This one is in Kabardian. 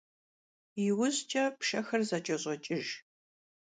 Yiujç'e pşşexer zeç'eş'oç'ıjj.